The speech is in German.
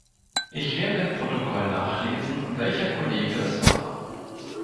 Ich werde im Protokoll nachlesen, welcher Kollege das war.